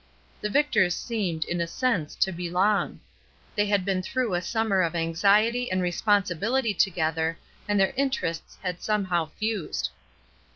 The Victors seemed, in a sense, to '* belong,'* They had been through a summer of anxiety and responsibility together, and their interests had somehow fused.